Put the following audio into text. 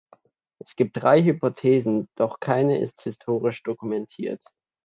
Es gibt drei Hypothesen, doch keine ist historisch dokumentiert.